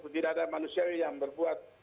tidak ada manusiawi yang berbuat